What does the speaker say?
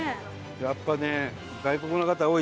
やっぱね。